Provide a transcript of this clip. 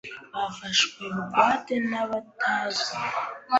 bafashwe bugwate nabatazwi